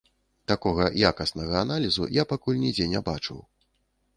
Такога якаснага аналізу я пакуль нідзе не бачыў.